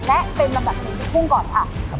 และเป็นลำดับหนึ่งคุณก่อนครับ